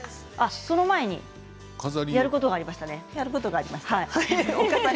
その前にやることがありましたね。